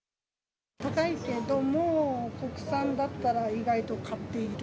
高いけども、国産だったら、意外と買っている。